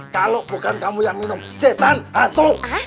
kalo bukan kamu yang minum setan hantu